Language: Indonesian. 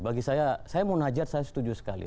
bagi saya saya mau najat saya setuju sekali